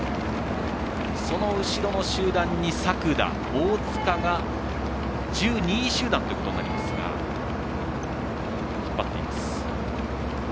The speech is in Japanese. その後ろの集団に、作田、大塚が１２位集団ということになりますが引っ張っています。